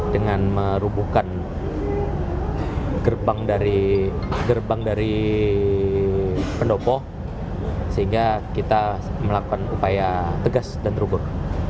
dengan merubuhkan gerbang dari pendopo sehingga kita melakukan upaya tegas dan terukur